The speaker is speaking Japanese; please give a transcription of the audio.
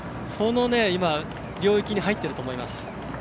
その領域に入っていると思います。